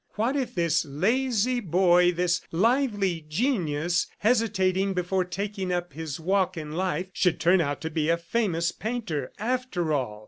What if this lazy boy, this lively genius, hesitating before taking up his walk in life, should turn out to be a famous painter, after all!